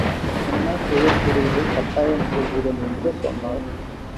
என்னால் செய்யக் கூடியதைக் கட்டாயம் செய்கிறேன் என்று சொன்னார்.